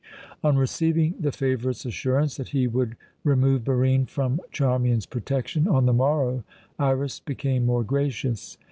On receiving the favourite's assurance that he would remove Barine from Charmian's protection on the morrow, Iras became more gracious.